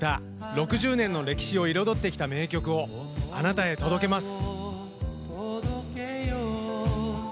６０年の歴史を彩ってきた名曲をあなたへ届けます。